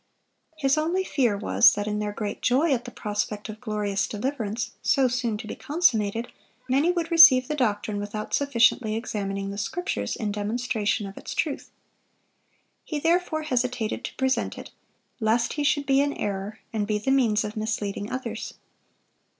His only fear was, that in their great joy at the prospect of glorious deliverance, so soon to be consummated, many would receive the doctrine without sufficiently examining the Scriptures in demonstration of its truth. He therefore hesitated to present it, lest he should be in error, and be the means of misleading others.